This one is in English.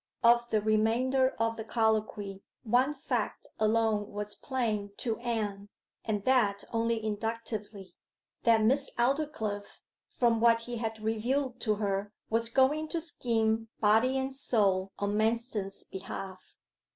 Of the remainder of the colloquy one fact alone was plain to Anne, and that only inductively that Miss Aldclyffe, from what he had revealed to her, was going to scheme body and soul on Manston's behalf.